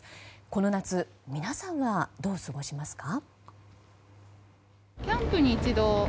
この夏、皆さんはどう過ごしますか？